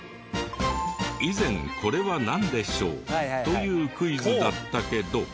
以前「これはなんでしょう？」というクイズだったけど。